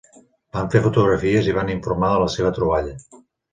Van fer fotografies i van informar de la seva troballa.